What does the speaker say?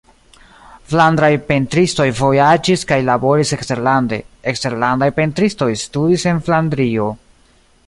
Flandraj pentristoj vojaĝis kaj laboris eksterlande; eksterlandaj pentristoj studis en Flandrio.